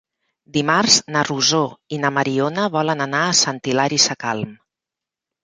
Dimarts na Rosó i na Mariona volen anar a Sant Hilari Sacalm.